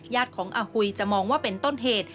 ของอาหุยจะมองว่าเป็นต้นเหตุ